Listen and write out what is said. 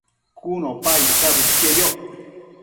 cun opa icsabudquieyoc